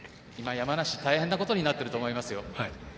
今、山梨、大変なことになっていると思いますよ。